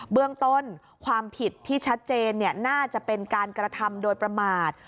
เบื้องต้นความผิดที่ชัดเจนน่าจะเป็นการกระทำโดยประมาท